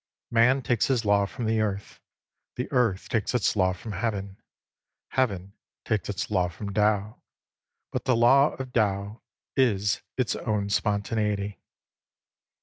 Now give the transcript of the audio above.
Man takes his law from the Earth ; the Earth takes its law from Heaven ; Heaven takes its law from Tao ; but the law of Tao is its own spontaneity.